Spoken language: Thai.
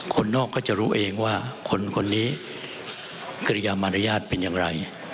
คนนอกก็จะรู้เองว่าคนนี้กริยามารยาทเป็นอย่างไร